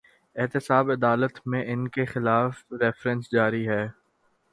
احتساب عدالت میں ان کے خلاف ریفرنس جاری ہیں۔